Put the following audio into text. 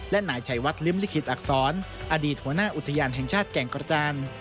และนายชัยวัดลิ้มลิขิตอักษรอดีตหัวหน้าอุทยานแห่งชาติแก่งกระจาน